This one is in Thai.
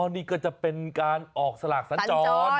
นี่ก็จะเป็นการออกสลากสัญจร